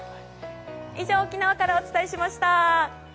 以上、沖縄からお伝えしました。